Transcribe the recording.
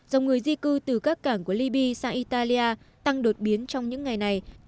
dòng người di cư từ các cảng của liby sang italia tăng đột biến trong những ngày này